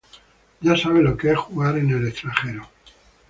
Ya sabe lo que es jugar en el extranjero.